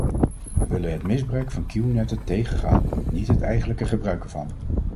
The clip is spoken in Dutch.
We willen het misbruik van kieuwnetten tegengaan, niet het eigenlijke gebruik ervan.